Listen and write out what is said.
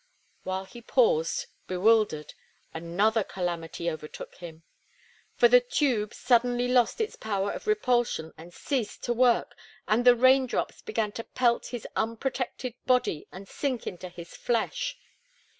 While he paused, bewildered, another calamity overtook him. For the tube suddenly lost its power of repulsion and ceased to work, and the rain drops began to pelt his unprotected body and sink into his flesh.